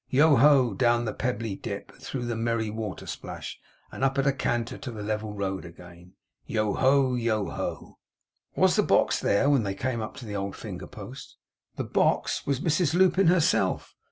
Yoho, down the pebbly dip, and through the merry water splash and up at a canter to the level road again. Yoho! Yoho! Was the box there, when they came up to the old finger post? The box! Was Mrs Lupin herself?